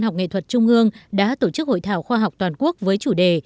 các tổ chức hội thảo khoa học toàn quốc với chủ đề